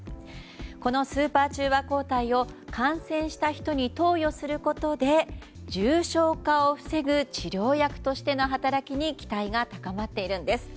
このスーパー中和抗体を感染した人に投与することで重症化を防ぐ治療薬としての働きに期待が高まっているんです。